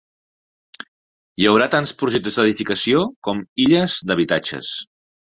Hi haurà tants projectes d'edificació com illes d'habitatges.